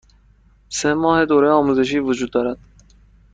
سه ماه دوره آزمایشی وجود دارد.